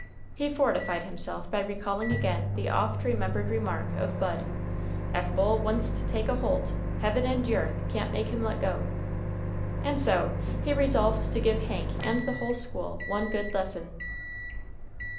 He fortified himself by recalling again the oft remembered remark of Bud, "Ef Bull wunst takes a holt, heaven and yarth can't make him let go." And so he resolved to give Hank and the whole school one good lesson.